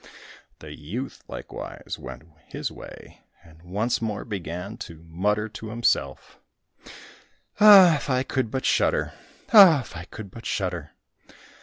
The youth likewise went his way, and once more began to mutter to himself, "Ah, if I could but shudder! Ah, if I could but shudder!"